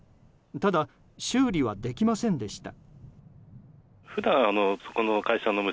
ただ、修理はできませんでした。